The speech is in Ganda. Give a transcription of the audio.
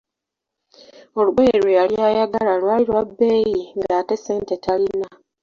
Olugoye lwe yali ayagala lwali lwa bbeeyi nga ate ssente talina.